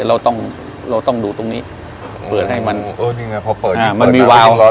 ความร้อนจะวนอยู่ที่นี้แล้วมันดีกว่าก๊าตอย่างไรหรอ